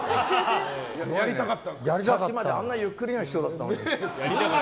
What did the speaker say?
さっきまであんなにゆっくりの人だったのに。